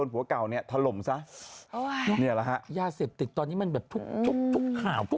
ผมชอบผมมากครับ